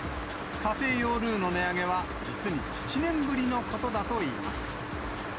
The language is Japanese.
家庭用ルウの値上げは、実に７年ぶりのことだといいます。